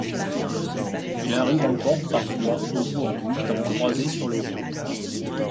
Il arrive encore parfois aujourd'hui d'en croiser sur les routes.